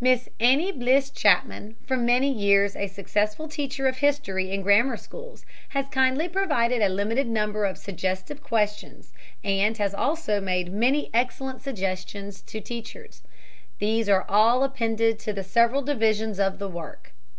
Miss Annie Bliss Chapman, for many years a successful teacher of history in grammar schools, has kindly provided a limited number of suggestive questions, and has also made many excellent suggestions to teachers. These are all appended to the several divisions of the work.